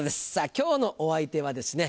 今日のお相手はですね